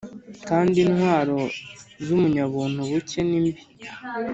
Kandi intwaro z umunyabuntu buke ni mbi